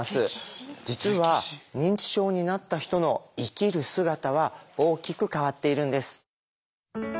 実は認知症になった人の生きる姿は大きく変わっているんです。